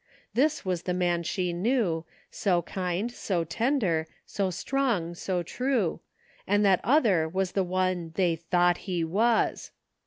This was the man she knew, so kind, so tender, so strong, so true; and that other was the one they thought he was!